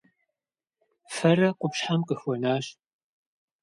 Фэрэ къупщхьэм къыхуэнащ.